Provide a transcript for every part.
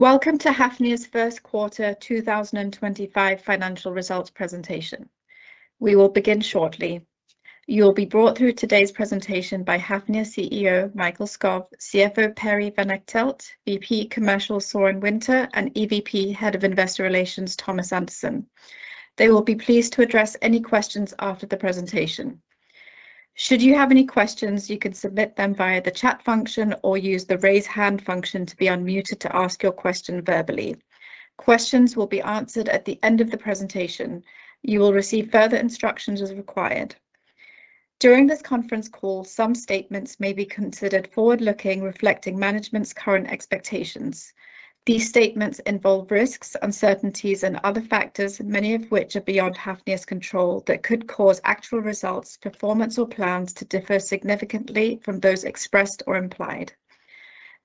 Welcome to Hafnia's first quarter 2025 financial results presentation. We will begin shortly. You'll be brought through today's presentation by Hafnia CEO Mikael Perry van Echtelt, vp commercial Søren Winther, and EVP Head of Investor Relations Thomas Andersen. They will be pleased to address any questions after the presentation. Should you have any questions, you can submit them via the chat function or use the raise hand function to be unmuted to ask your question verbally. Questions will be answered at the end of the presentation. You will receive further instructions as required. During this conference call, some statements may be considered forward-looking, reflecting management's current expectations. These statements involve risks, uncertainties, and other factors, many of which are beyond Hafnia's control that could cause actual results, performance, or plans to differ significantly from those expressed or implied.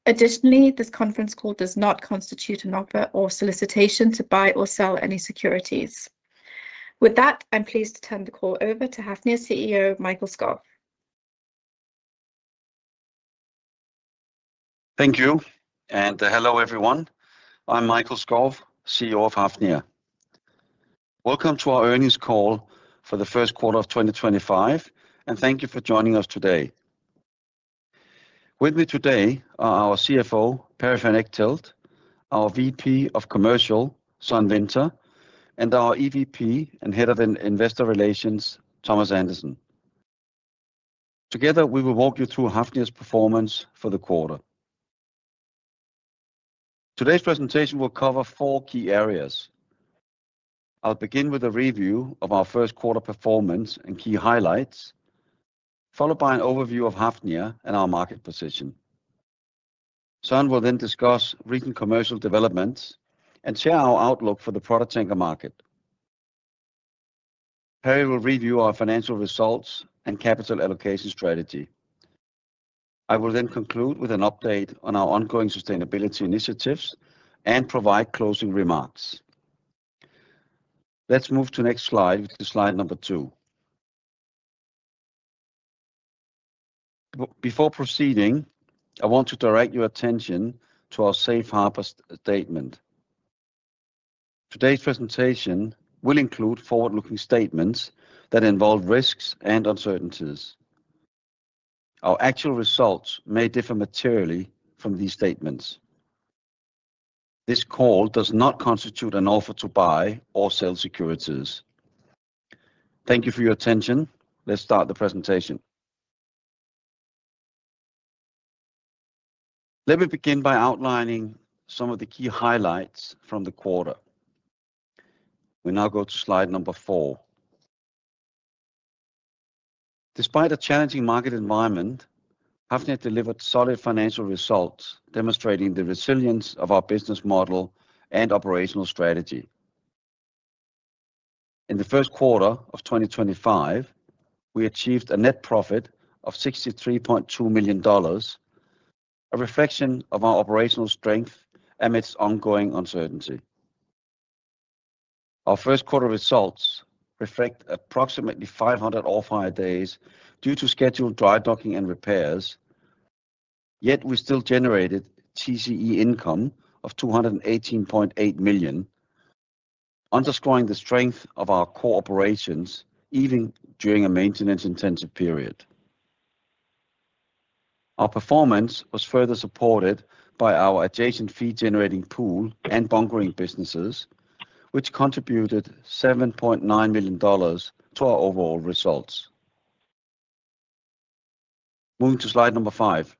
Additionally, this conference call does not constitute an offer or solicitation to buy or sell any securities. With that, I'm pleased to turn the call over to Hafnia CEO Mikael Skov. Thank you, and hello everyone. I'm Mikael Skov, CEO of Hafnia. Welcome to our earnings call for the first quarter of 2025, and thank you for joining us today. With me today are Perry van Echtelt, our vp of Commercial, Søren Winther, and our EVP and Head of Investor Relations, Thomas Andersen. Together, we will walk you through Hafnia's performance for the quarter. Today's presentation will cover four key areas. I'll begin with a review of our first quarter performance and key highlights, followed by an overview of Hafnia and our market position. Søren will then discuss recent commercial developments and share our outlook for the product tanker market. Perry will review our financial results and capital allocation strategy. I will then conclude with an update on our ongoing sustainability initiatives and provide closing remarks. Let's move to the next slide with slide number two. Before proceeding, I want to direct your attention to our safe harbor statement. Today's presentation will include forward-looking statements that involve risks and uncertainties. Our actual results may differ materially from these statements. This call does not constitute an offer to buy or sell securities. Thank you for your attention. Let's start the presentation. Let me begin by outlining some of the key highlights from the quarter. We now go to slide number four. Despite a challenging market environment, Hafnia delivered solid financial results demonstrating the resilience of our business model and operational strategy. In the first quarter of 2025, we achieved a net profit of $63.2 million, a reflection of our operational strength amidst ongoing uncertainty. Our first quarter results reflect approximately 500 off-hire days due to scheduled dry docking and repairs, yet we still generated TCE income of $218.8 million, underscoring the strength of our core operations even during a maintenance-intensive period. Our performance was further supported by our adjacent fee-generating pool and bunkering businesses, which contributed $7.9 million to our overall results. Moving to slide number five.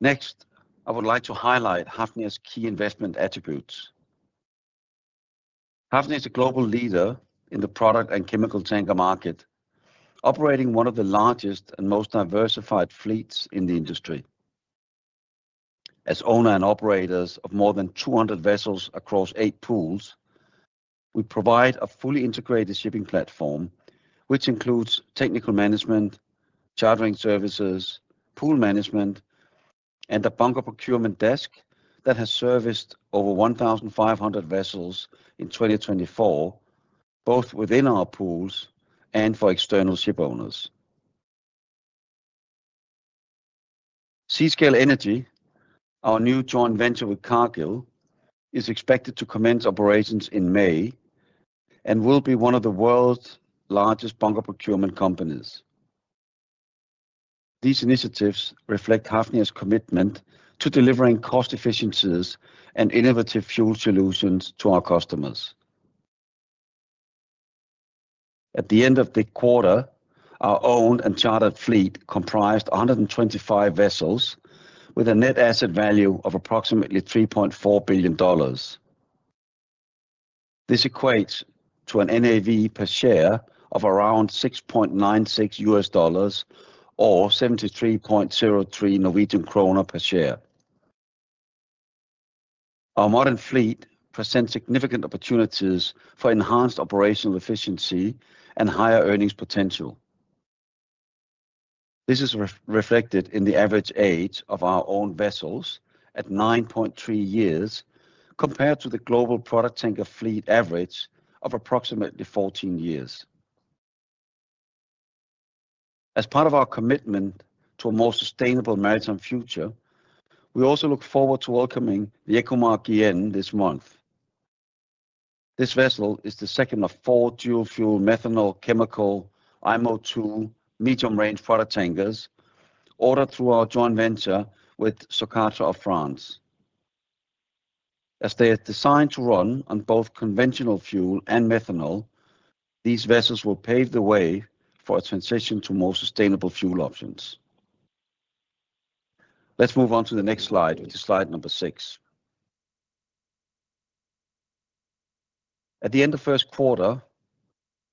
Next, I would like to highlight Hafnia's key investment attributes. Hafnia is a global leader in the product and chemical tanker market, operating one of the largest and most diversified fleets in the industry. As owner and operators of more than 200 vessels across eight pools, we provide a fully integrated shipping platform, which includes technical management, chartering services, pool management, and a bunker procurement desk that has serviced over 1,500 vessels in 2024, both within our pools and for external ship owners. Seascale Energy, our new joint venture with Cargill, is expected to commence operations in May and will be one of the world's largest bunker procurement companies. These initiatives reflect Hafnia's commitment to delivering cost efficiencies and innovative fuel solutions to our customers. At the end of the quarter, our owned and chartered fleet comprised 125 vessels with a net asset value of approximately $3.4 billion. This equates to an NAV per share of around $6.96 or NOK 73.03 per share. Our modern fleet presents significant opportunities for enhanced operational efficiency and higher earnings potential. This is reflected in the average age of our owned vessels at 9.3 years compared to the global product tanker fleet average of approximately 14 years. As part of our commitment to a more sustainable maritime future, we also look forward to welcoming the Ecomar this month. This vessel is the second of four dual-fuel Methanol Chemical IMOII Medium-Range product tankers ordered through our joint venture with Socatra of France. As they are designed to run on both conventional fuel and methanol, these vessels will pave the way for a transition to more sustainable fuel options. Let's move on to the next slide with slide number six. At the end of the first quarter,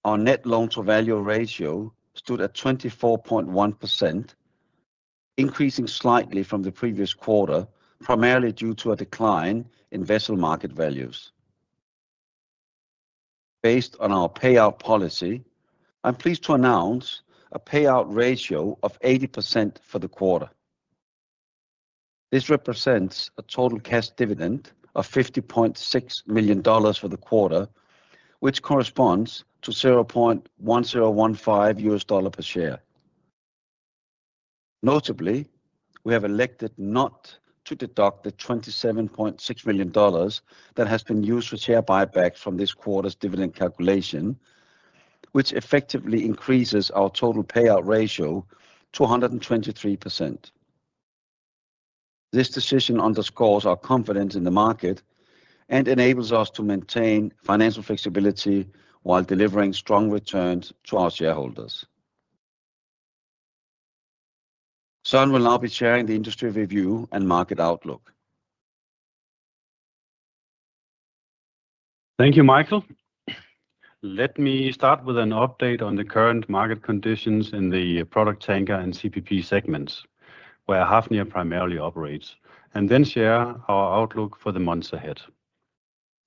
our net loan-to-value ratio stood at 24.1%, increasing slightly from the previous quarter, primarily due to a decline in vessel market values. Based on our payout policy, I'm pleased to announce a payout ratio of 80% for the quarter. This represents a total cash dividend of $50.6 million for the quarter, which corresponds to $0.1015 per share. Notably, we have elected not to deduct the $27.6 million that has been used for share buybacks from this quarter's dividend calculation, which effectively increases our total payout ratio to 123%. This decision underscores our confidence in the market and enables us to maintain financial flexibility while delivering strong returns to our shareholders. Søren will now be sharing the industry review and market outlook. Thank you, Mikael. Let me start with an update on the current market conditions in the product tanker and CPP segments where Hafnia primarily operates, and then share our outlook for the months ahead.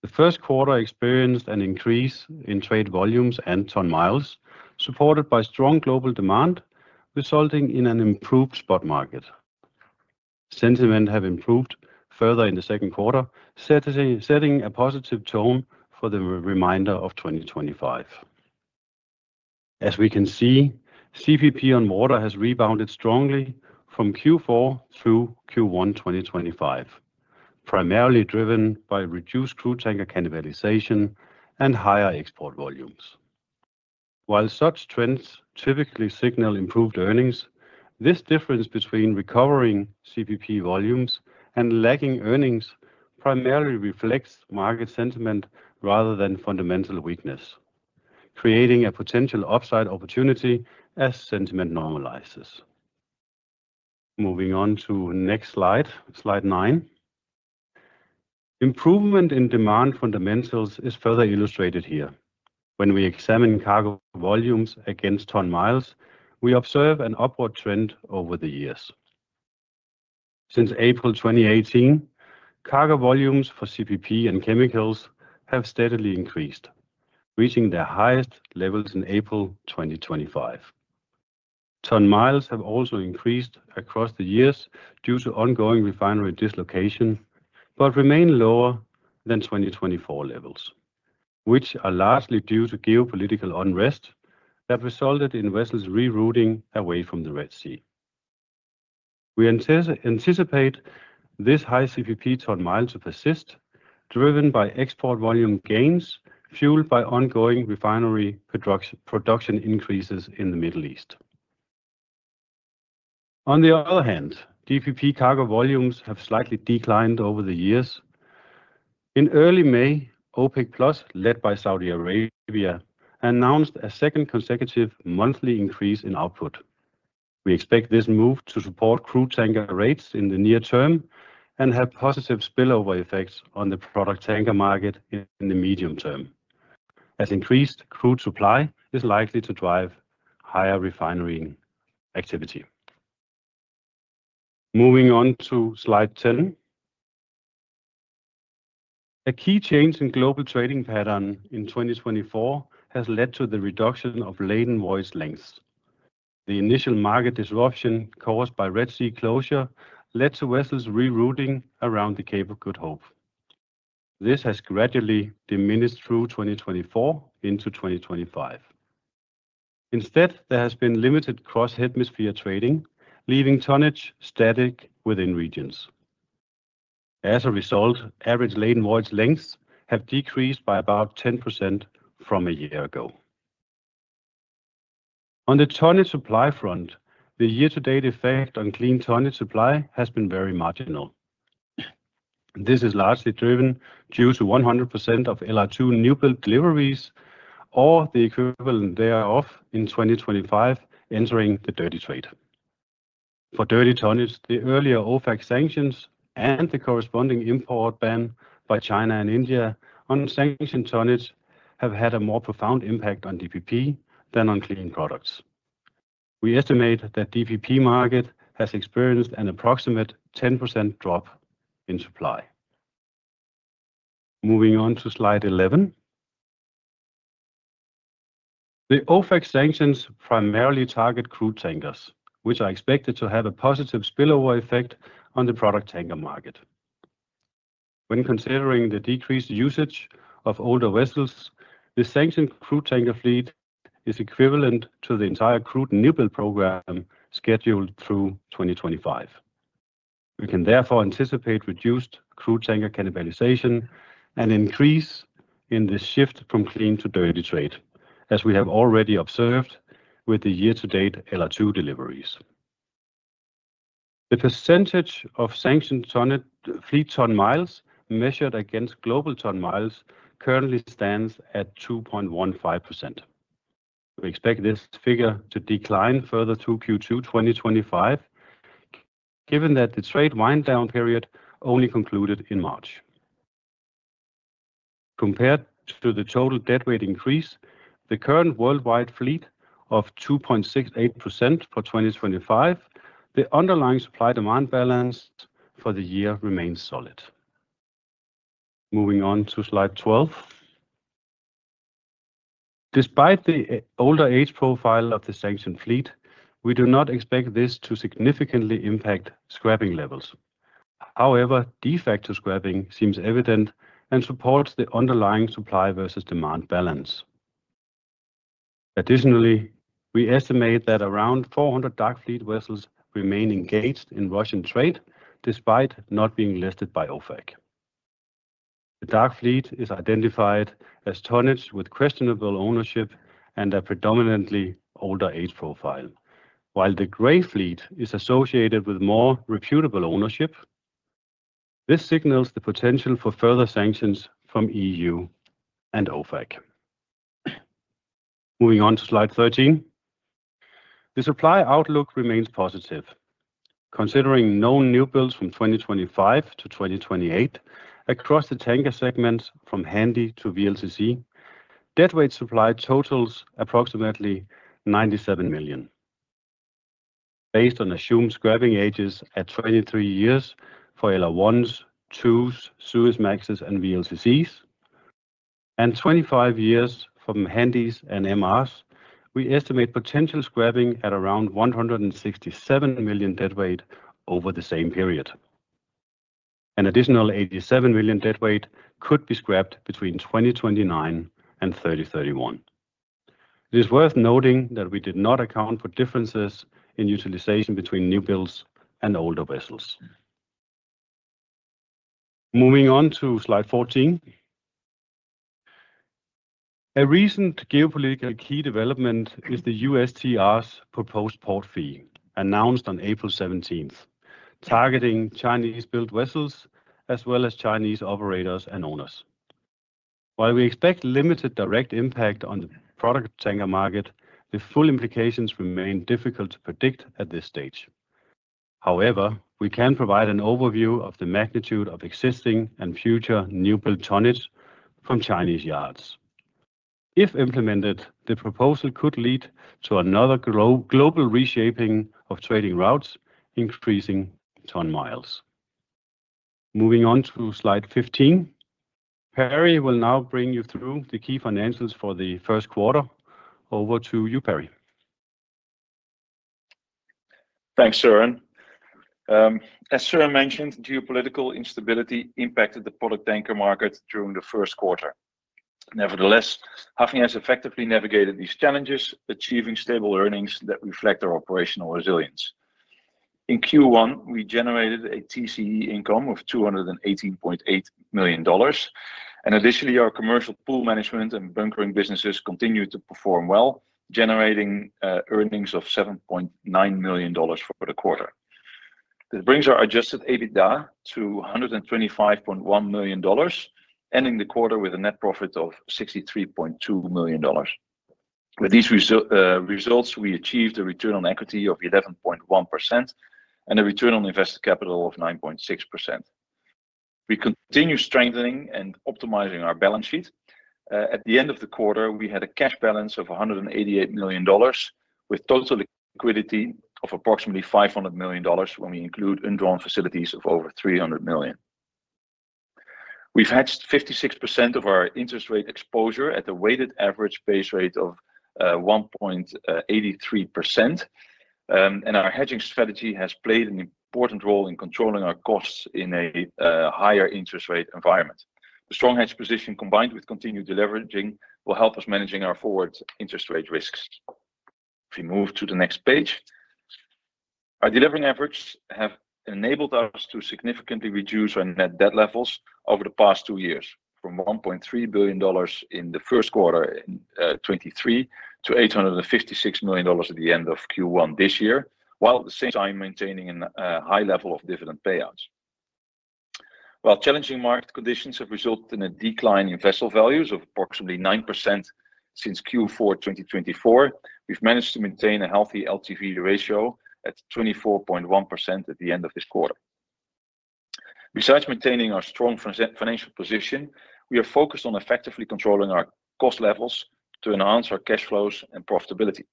The first quarter experienced an increase in trade volumes and ton miles, supported by strong global demand, resulting in an improved spot market. Sentiment has improved further in the second quarter, setting a positive tone for the remainder of 2025. As we can see, CPP on water has rebounded strongly from Q4 through Q1 2025, primarily driven by reduced crew tanker cannibalization and higher export volumes. While such trends typically signal improved earnings, this difference between recovering CPP volumes and lagging earnings primarily reflects market sentiment rather than fundamental weakness, creating a potential upside opportunity as sentiment normalizes. Moving on to the next slide, slide nine. Improvement in demand fundamentals is further illustrated here. When we examine cargo volumes against ton miles, we observe an upward trend over the years. Since April 2018, cargo volumes for CPP and chemicals have steadily increased, reaching their highest levels in April 2025. Ton miles have also increased across the years due to ongoing refinery dislocation, but remain lower than 2024 levels, which are largely due to geopolitical unrest that resulted in vessels rerouting away from the Red Sea. We anticipate this high CPP ton miles to persist, driven by export volume gains fueled by ongoing refinery production increases in the Middle East. On the other hand, DPP cargo volumes have slightly declined over the years. In early May, OPEC+, led by Saudi Arabia, announced a second consecutive monthly increase in output. We expect this move to support crude tanker rates in the near term and have positive spillover effects on the product tanker market in the medium term, as increased crude supply is likely to drive higher refinery activity. Moving on to slide 10. A key change in global trading pattern in 2024 has led to the reduction of latent voyage lengths. The initial market disruption caused by Red Sea closure led to vessels rerouting around the Cape of Good Hope. This has gradually diminished through 2024 into 2025. Instead, there has been limited cross-hemisphere trading, leaving tonnage static within regions. As a result, average latent voyage lengths have decreased by about 10% from a year ago. On the tonnage supply front, the year-to-date effect on clean tonnage supply has been very marginal. This is largely driven due to 100% of LR2 new build deliveries or the equivalent thereof in 2025 entering the dirty trade. For dirty tonnage, the earlier OFAC Sanctions and the corresponding import ban by China and India on sanctioned tonnage have had a more profound impact on DPP than on clean products. We estimate that DPP market has experienced an approximate 10% drop in supply. Moving on to slide 11. The OFAC Sanctions primarily target crude tankers, which are expected to have a positive spillover effect on the product tanker market. When considering the decreased usage of older vessels, the sanctioned crude tanker fleet is equivalent to the entire crude new build program scheduled through 2025. We can therefore anticipate reduced crude tanker cannibalization and increase in the shift from clean to dirty trade, as we have already observed with the year-to-date LR2 deliveries. The percentage of sanctioned fleet ton miles measured against global ton miles currently stands at 2.15%. We expect this figure to decline further through Q2 2025, given that the trade wind-down period only concluded in March. Compared to the total deadweight increase, the current worldwide fleet of 2.68% for 2025, the underlying supply-demand balance for the year remains solid. Moving on to slide 12. Despite the older age profile of the sanctioned fleet, we do not expect this to significantly impact scrapping levels. However, de facto scrapping seems evident and supports the underlying supply versus demand balance. Additionally, we estimate that around 400 dark fleet vessels remain engaged in Russian trade despite not being listed by OFAC. The dark fleet is identified as tonnage with questionable ownership and a predominantly older age profile, while the gray fleet is associated with more reputable ownership. This signals the potential for further sanctions from the EU and OFAC. Moving on to slide 13. The supply outlook remains positive. Considering known new builds from 2025 to 2028 across the tanker segments from Handy to VLCC, deadweight supply totals approximately 97 million. Based on assumed scrapping ages at 23 years for LR1s, LR2s, Suezmaxes, and VLCCs, and 25 years for Handys and MRs, we estimate potential scrapping at around 167 million deadweight over the same period. An additional 87 million deadweight could be scrapped between 2029 and 2031. It is worth noting that we did not account for differences in utilization between new builds and older vessels. Moving on to slide 14. A recent geopolitical key development is the USTR's proposed port fee announced on April 17, targeting Chinese-built vessels as well as Chinese operators and owners. While we expect limited direct impact on the product tanker market, the full implications remain difficult to predict at this stage. However, we can provide an overview of the magnitude of existing and future new build tonnage from Chinese yards. If implemented, the proposal could lead to another global reshaping of trading routes, increasing ton miles. Moving on to slide 15, Perry will now bring you through the key financials for the first quarter. Over to you, Perry. Thanks, Søren. As Søren mentioned, geopolitical instability impacted the product tanker market during the first quarter. Nevertheless, Hafnia has effectively navigated these challenges, achieving stable earnings that reflect our operational resilience. In Q1, we generated a TCE income of $218.8 million, and additionally, our commercial pool management and bunkering businesses continued to perform well, generating earnings of $7.9 million for the quarter. This brings our adjusted EBITDA to $125.1 million, ending the quarter with a net profit of $63.2 million. With these results, we achieved a return on equity of 11.1% and a return on invested capital of 9.6%. We continue strengthening and optimizing our balance sheet. At the end of the quarter, we had a cash balance of $188 million, with total liquidity of approximately $500 million when we include in-drawn facilities of over $300 million. We've hedged 56% of our interest rate exposure at a weighted average base rate of 1.83%, and our hedging strategy has played an important role in controlling our costs in a higher interest rate environment. The strong hedge position, combined with continued leveraging, will help us manage our forward interest rate risks. If we move to the next page, our delevering efforts have enabled us to significantly reduce our net debt levels over the past two years, from $1.3 billion in the first quarter in 2023 to $856 million at the end of Q1 this year, while at the same time maintaining a high level of dividend payouts. While challenging market conditions have resulted in a decline in vessel values of approximately 9% since Q4 2024, we've managed to maintain a healthy LTV ratio at 24.1% at the end of this quarter. Besides maintaining our strong financial position, we are focused on effectively controlling our cost levels to enhance our cash flows and profitability.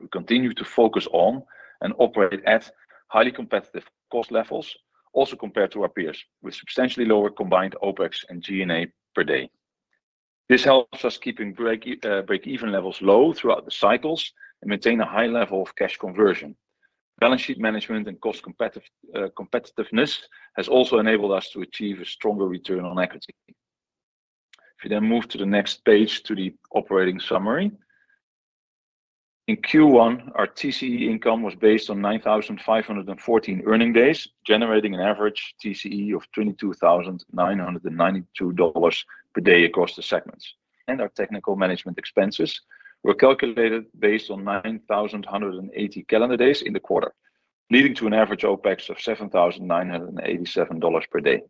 We continue to focus on and operate at highly competitive cost levels, also compared to our peers, with substantially lower combined OpEx and G&A per day. This helps us keep break-even levels low throughout the cycles and maintain a high level of cash conversion. Balance sheet management and cost competitiveness have also enabled us to achieve a stronger return on equity. If we then move to the next page to the operating summary. In Q1, our TCE income was based on 9,514 earning days, generating an average TCE of $22,992 per day across the segments. Our technical management expenses were calculated based on 9,180 calendar days in the quarter, leading to an average OpEx of $7,987 per day.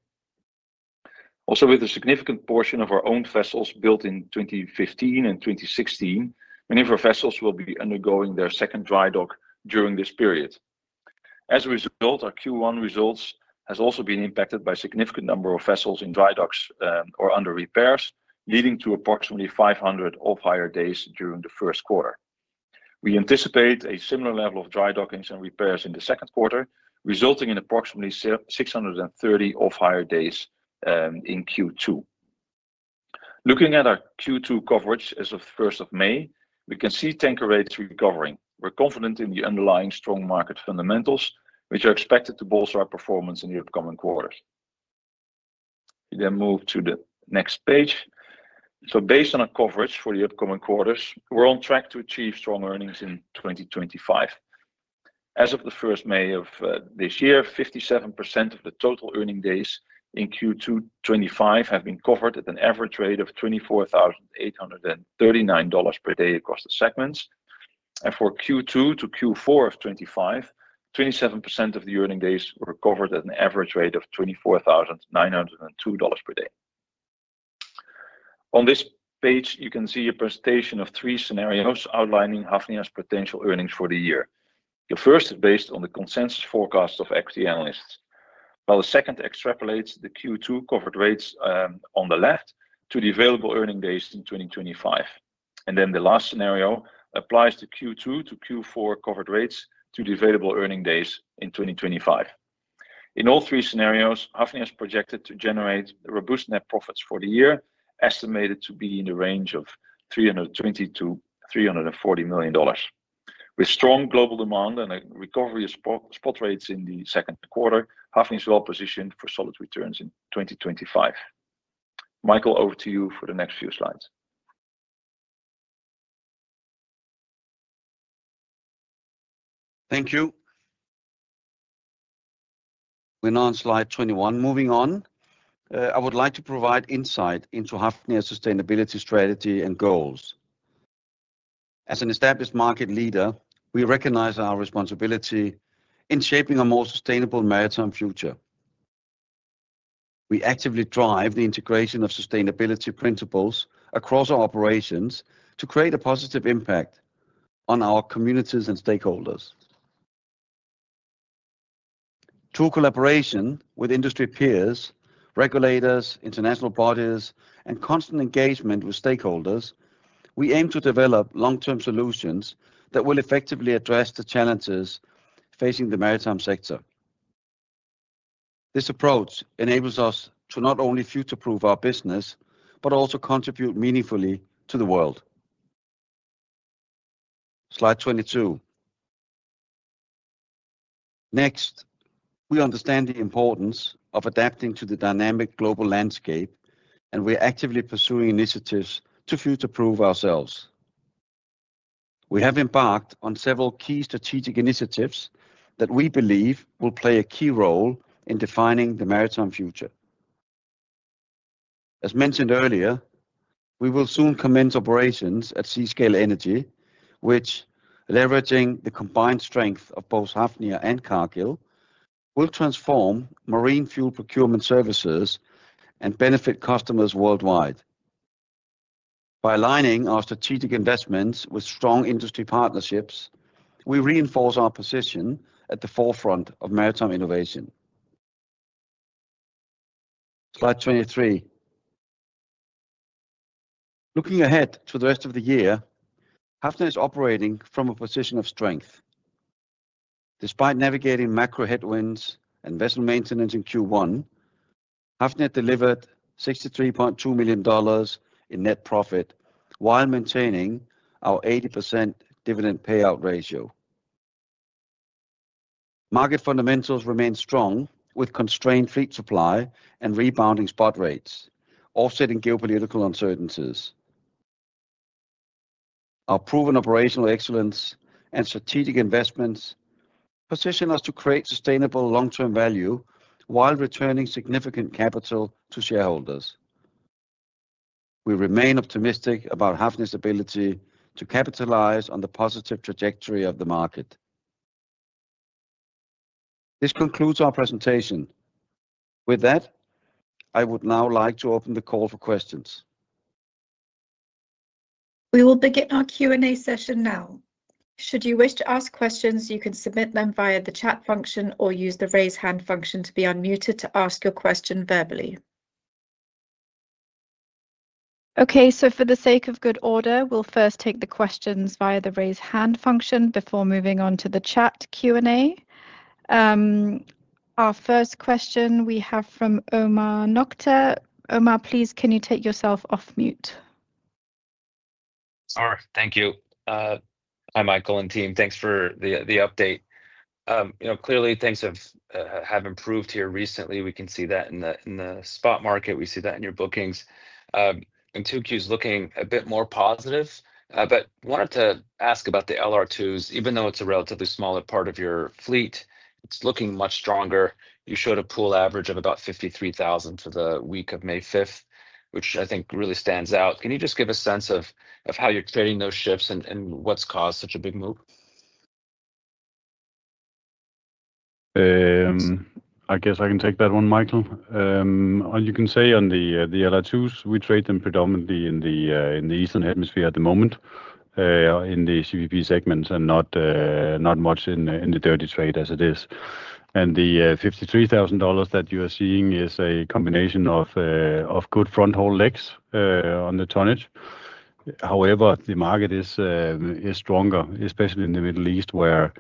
Also, with a significant portion of our own vessels built in 2015 and 2016, many of our vessels will be undergoing their second dry dock during this period. As a result, our Q1 results have also been impacted by a significant number of vessels in dry docks or under repairs, leading to approximately 500 off-hire days during the first quarter. We anticipate a similar level of dry dockings and repairs in the second quarter, resulting in approximately 630 off-hire days in Q2. Looking at our Q2 coverage as of 1st of May, we can see tanker rates recovering. We're confident in the underlying strong market fundamentals, which are expected to bolster our performance in the upcoming quarter. If we then move to the next page. Based on our coverage for the upcoming quarters, we're on track to achieve strong earnings in 2025. As of 1st May of this year, 57% of the total earning days in Q2 2025 have been covered at an average rate of $24,839 per day across the segments. For Q2 to Q4 of 2025, 27% of the earning days were covered at an average rate of $24,902 per day. On this page, you can see a presentation of three scenarios outlining Hafnia's potential earnings for the year. The first is based on the consensus forecasts of equity analysts, while the second extrapolates the Q2 covered rates on the left to the available earning days in 2025. The last scenario applies the Q2 to Q4 covered rates to the available earning days in 2025. In all three scenarios, Hafnia is projected to generate robust net profits for the year, estimated to be in the range of $320 million-$340 million. With strong global demand and recovery of spot rates in the second quarter, Hafnia is well positioned for solid returns in 2025. Mikael, over to you for the next few slides. Thank you. We're now on slide 21. Moving on, I would like to provide insight into Hafnia's sustainability strategy and goals. As an established market leader, we recognize our responsibility in shaping a more sustainable maritime future. We actively drive the integration of sustainability principles across our operations to create a positive impact on our communities and stakeholders. Through collaboration with industry peers, regulators, international bodies, and constant engagement with stakeholders, we aim to develop long-term solutions that will effectively address the challenges facing the maritime sector. This approach enables us to not only future-proof our business but also contribute meaningfully to the world. Slide 22. Next, we understand the importance of adapting to the dynamic global landscape, and we're actively pursuing initiatives to future-proof ourselves. We have embarked on several key strategic initiatives that we believe will play a key role in defining the maritime future. As mentioned earlier, we will soon commence operations at Seascale Energy, which, leveraging the combined strength of both Hafnia and Cargill, will transform marine fuel procurement services and benefit customers worldwide. By aligning our strategic investments with strong industry partnerships, we reinforce our position at the forefront of maritime innovation. Slide 23. Looking ahead to the rest of the year, Hafnia is operating from a position of strength. Despite navigating macro headwinds and vessel maintenance in Q1, Hafnia delivered $63.2 million in net profit while maintaining our 80% dividend payout ratio. Market fundamentals remain strong with constrained fleet supply and rebounding spot rates, offsetting geopolitical uncertainties. Our proven operational excellence and strategic investments position us to create sustainable long-term value while returning significant capital to shareholders. We remain optimistic about Hafnia's ability to capitalize on the positive trajectory of the market. This concludes our presentation. With that, I would now like to open the call for questions. We will begin our Q&A session now. Should you wish to ask questions, you can submit them via the chat function or use the raise hand function to be unmuted to ask your question verbally. Okay, so for the sake of good order, we'll first take the questions via the raise hand function before moving on to the chat Q&A. Our first question we have from Omar Nokta. Omar, please, can you take yourself off mute? All right, thank you. Hi, Mikael and team. Thanks for the update. Clearly, things have improved here recently. We can see that in the spot market. We see that in your bookings. 2Q is looking a bit more positive. I wanted to ask about the LR2s. Even though it's a relatively smaller part of your fleet, it's looking much stronger. You showed a pool average of about $53,000 for the week of May 5th, which I think really stands out. Can you just give a sense of how you're trading those ships and what's caused such a big move? I guess I can take that one, Mikael. What you can say on the LR2s, we trade them predominantly in the eastern hemisphere at the moment, in the CPP segments, and not much in the dirty trade as it is. And the $53,000 that you are seeing is a combination of good front haul legs on the tonnage. However, the market is stronger, especially in the Middle East, where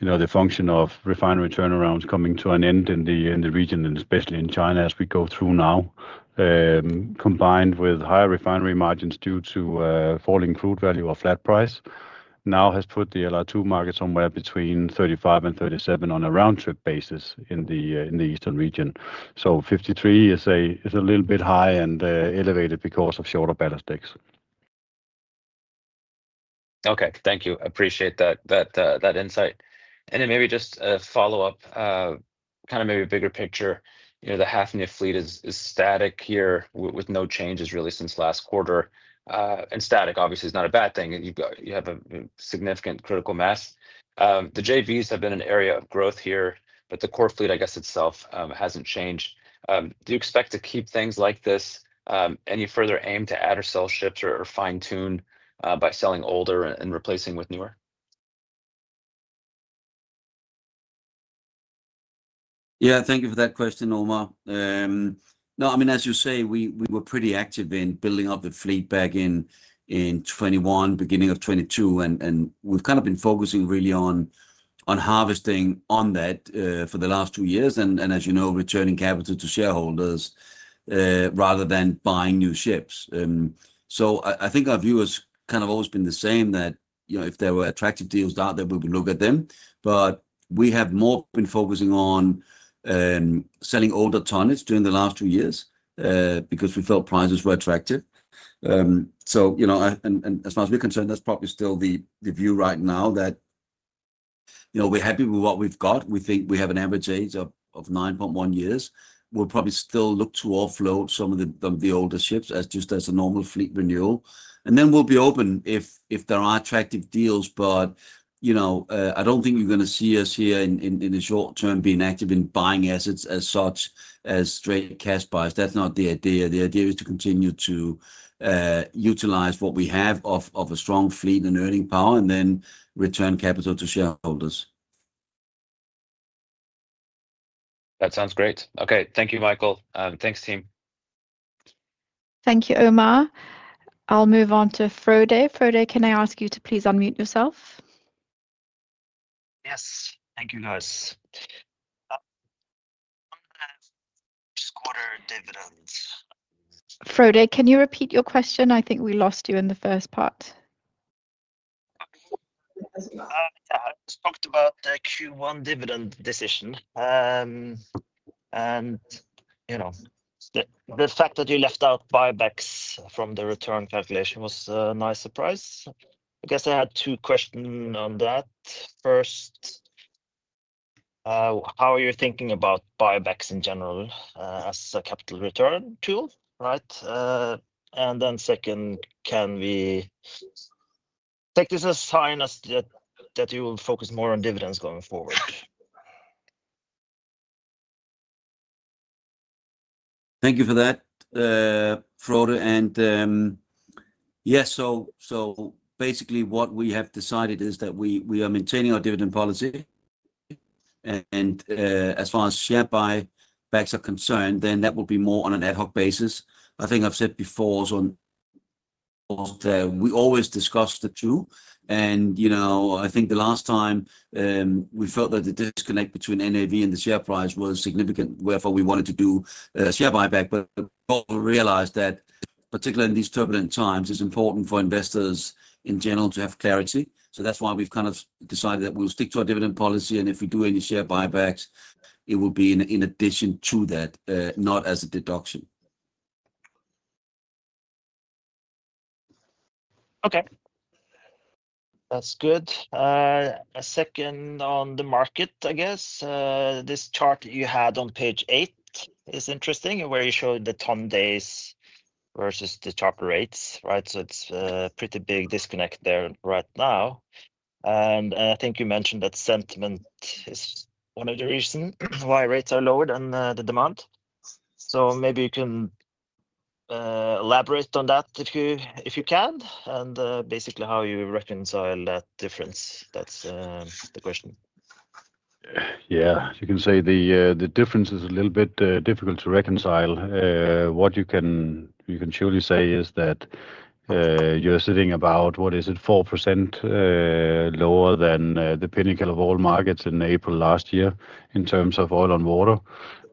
the function of refinery turnarounds is coming to an end in the region, and especially in China as we go through now. Combined with higher refinery margins due to falling crude value or flat price, now has put the LR2 market somewhere between $35,000-$37,000 on a round-trip basis in the eastern region. So $53,000 is a little bit high and elevated because of shorter ballast legs. Okay, thank you. Appreciate that insight. Maybe just a follow-up, kind of maybe a bigger picture. The Hafnia fleet is static here with no changes really since last quarter. Static, obviously, is not a bad thing. You have a significant critical mass. The JVs have been an area of growth here, but the core fleet, I guess, itself has not changed. Do you expect to keep things like this? Any further aim to add or sell ships or fine-tune by selling older and replacing with newer? Yeah, thank you for that question, Omar. No, I mean, as you say, we were pretty active in building up the fleet back in 2021, beginning of 2022, and we've kind of been focusing really on harvesting on that for the last two years, and as you know, returning capital to shareholders rather than buying new ships. I think our view has kind of always been the same that if there were attractive deals out there, we would look at them. We have more been focusing on selling older tonnes during the last two years because we felt prices were attractive. As far as we're concerned, that's probably still the view right now that we're happy with what we've got. We think we have an average age of 9.1 years. We'll probably still look to offload some of the older ships just as a normal fleet renewal. We will be open if there are attractive deals. I do not think you are going to see us here in the short term being active in buying assets as such as straight cash buyers. That is not the idea. The idea is to continue to utilize what we have of a strong fleet and earning power and then return capital to shareholders. That sounds great. Okay, thank you, Mikael. Thanks, team. Thank you, Omar. I'll move on to Frode. Frode, can I ask you to please unmute yourself? Yes, thank you, guys. This quarter dividends. Frode, can you repeat your question? I think we lost you in the first part. I talked about the Q1 dividend decision. The fact that you left out buybacks from the return calculation was a nice surprise. I guess I had two questions on that. First, how are you thinking about buybacks in general as a capital return tool? Second, can we take this as a sign that you will focus more on dividends going forward? Thank you for that, Frode. Yes, so basically, what we have decided is that we are maintaining our dividend policy. As far as share buybacks are concerned, that will be more on an ad hoc basis. I think I've said before that we always discuss the two. I think the last time we felt that the disconnect between NAV and the share price was significant, therefore we wanted to do a share buyback. We realized that, particularly in these turbulent times, it's important for investors in general to have clarity. That's why we've kind of decided that we'll stick to our dividend policy. If we do any share buybacks, it will be in addition to that, not as a deduction. Okay. That's good. A second on the market, I guess. This chart you had on page eight is interesting, where you showed the tonnes versus the charter rates. It is a pretty big disconnect there right now. I think you mentioned that sentiment is one of the reasons why rates are lower than the demand. Maybe you can elaborate on that if you can, and basically how you reconcile that difference. That's the question. Yeah, as you can see, the difference is a little bit difficult to reconcile. What you can surely say is that you're sitting about, what is it, 4% lower than the pinnacle of all markets in April last year in terms of oil and water,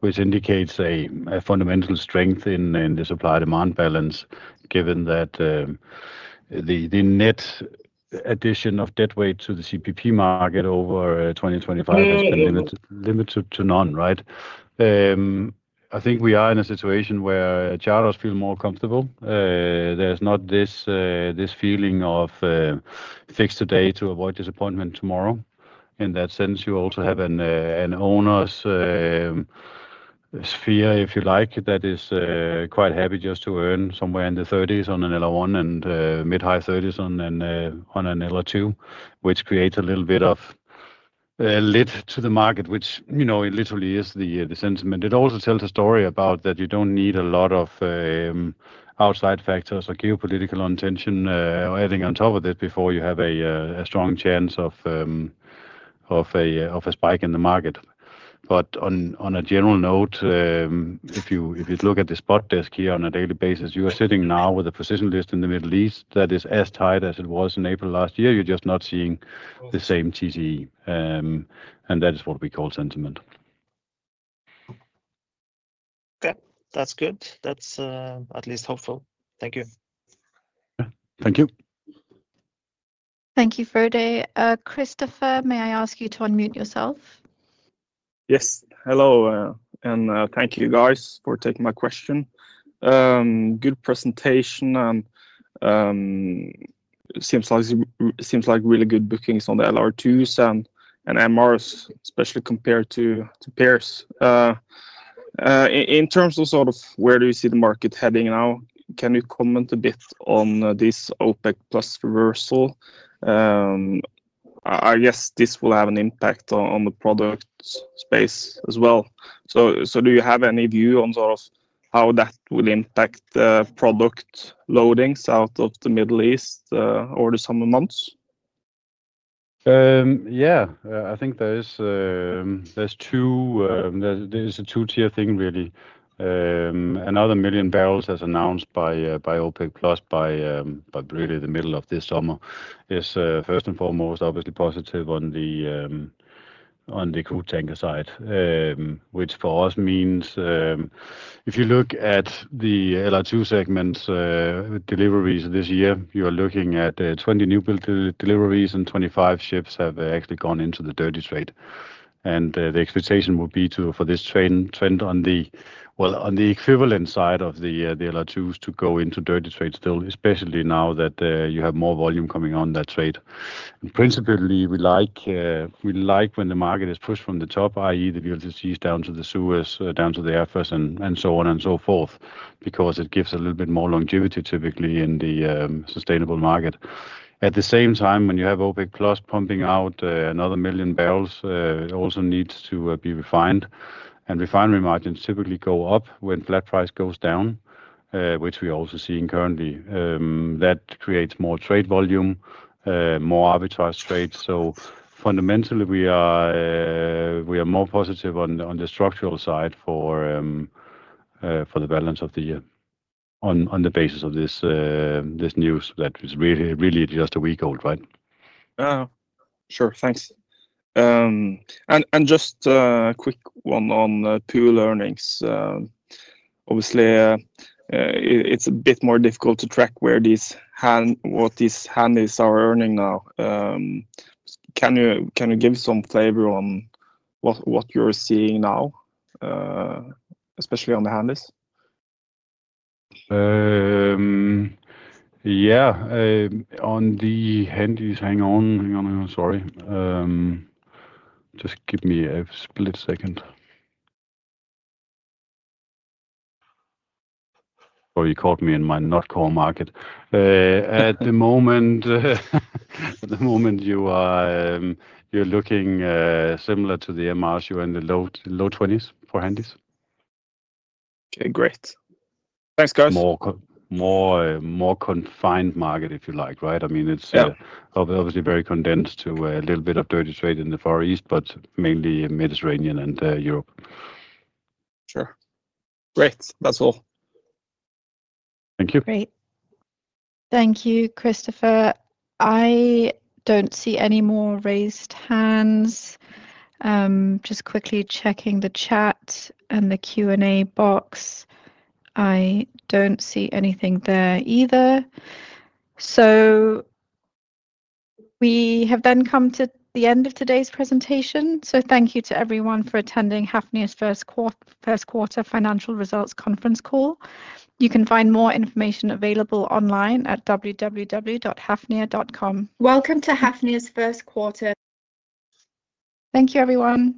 which indicates a fundamental strength in the supply-demand balance, given that the net addition of deadweight to the CPP market over 2025 has been limited to none. I think we are in a situation where charters feel more comfortable. There's not this feeling of fix today to avoid disappointment tomorrow. In that sense, you also have an owner's sphere, if you like, that is quite happy just to earn somewhere in the 30s on an LR1 and mid-high 30s on an LR2, which creates a little bit of a lid to the market, which literally is the sentiment. It also tells a story about that you do not need a lot of outside factors or geopolitical intention or anything on top of this before you have a strong chance of a spike in the market. On a general note, if you look at the spot desk here on a daily basis, you are sitting now with a position list in the Middle East that is as tight as it was in April last year. You are just not seeing the same TCE. That is what we call sentiment. Okay, that's good. That's at least hopeful. Thank you. Thank you. Thank you, Frode. Kristoffer, may I ask you to unmute yourself? Yes. Hello, and thank you, guys, for taking my question. Good presentation. It seems like really good bookings on the LR2s and MRs, especially compared to peers. In terms of sort of where do you see the market heading now, can you comment a bit on this OPEC+ reversal? I guess this will have an impact on the product space as well. Do you have any view on sort of how that will impact product loadings out of the Middle East over the summer months? Yeah, I think there's a two-tier thing, really. Another million barrels as announced by OPEC+ by really the middle of this summer is first and foremost, obviously positive on the crude tanker side, which for us means if you look at the LR2 segment deliveries this year, you are looking at 20 new deliveries and 25 ships have actually gone into the dirty trade. The expectation would be for this trend on the equivalent side of the LR2s to go into dirty trade still, especially now that you have more volume coming on that trade. Principally, we like when the market is pushed from the top, i.e., the VLCCs down to the Suezmax, down to the Afras and so on and so forth, because it gives a little bit more longevity typically in the sustainable market. At the same time, when you have OPEC+ pumping out another 1 million barrels, it also needs to be refined. Refinery margins typically go up when flat price goes down, which we are also seeing currently. That creates more trade volume, more arbitrage trades. Fundamentally, we are more positive on the structural side for the balance of the year on the basis of this news that is really just a week old. Sure, thanks. Just a quick one on pool earnings. Obviously, it's a bit more difficult to track what these Handys are earning now. Can you give some flavor on what you're seeing now, especially on the Handys? Yeah, on the Handys, hang on. Hang on, hang on. Sorry. Just give me a split second. Oh, you caught me in my not call market. At the moment, you're looking similar to the MRs. You're in the low 20s for Handys. Okay, great. Thanks, guys. More confined market, if you like. I mean, it's obviously very condensed to a little bit of dirty trade in the Far East, but mainly Mediterranean and Europe. Sure. Great. That's all. Thank you. Great. Thank you, Kristoffer. I do not see any more raised hands. Just quickly checking the chat and the Q&A box. I do not see anything there either. We have then come to the end of today's presentation. Thank you to everyone for attending Hafnia's first quarter financial results conference call. You can find more information available online at www.hafnia.com. Welcome to Hafnia's first quarter. Thank you, everyone.